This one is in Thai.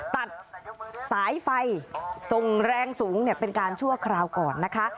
ตัดสายไฟส่งแรงสูงเป็นการชั่วคราวก่อนนะคะ